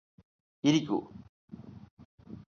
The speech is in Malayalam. ഇരിക്കു